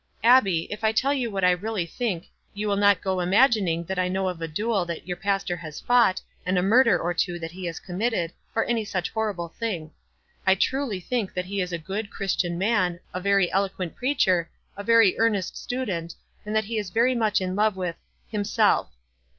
"Abbie, if I tell you what I really think, you will not go to imagining that I know of a duel that your pastor has fought, and a murder or two that he has committed, or any such horrible doing. I truly think that he is a good, Chris tian man, a very eloquent preacher, a very ear nest student, and that he is very much in love with — himself.